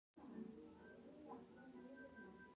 د پیتالوژي علم د ناروغیو د مخنیوي لاره ده.